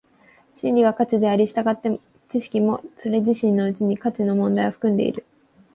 真理は価値であり、従って知識もそれ自身のうちに価値の問題を含んでいる。